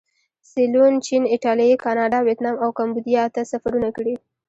سیلون، چین، ایټالیې، کاناډا، ویتنام او کمبودیا ته سفرونه کړي.